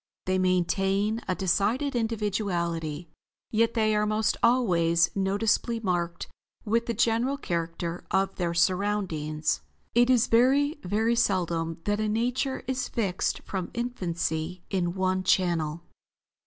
They maintain a decided individuality; yet they are most always noticeably marked with the general character of their surroundings. It is very, very seldom that a nature is fixed from infancy in one channel."